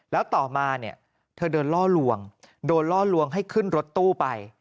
แล้วต่อมาเนี่ยเธอเดินล่อลวงโดนล่อลวงให้ขึ้นรถตู้ไป